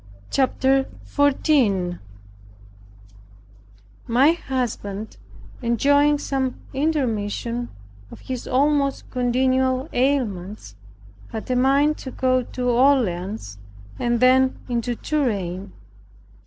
CHAPTER 14 My husband enjoying some intermission of his almost continual ailments, had a mind to go to Orleans, and then into Touraine.